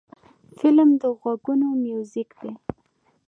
فلم د غوږونو میوزیک دی